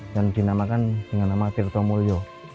yang dinamakan dengan nama tirta mulyo